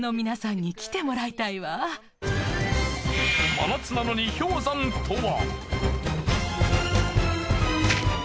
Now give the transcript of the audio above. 真夏なのに氷山とは？